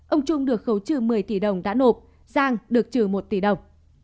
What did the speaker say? ông trung được khấu trừ một mươi tỷ đồng đã nộp giang được trừ một tỷ đồng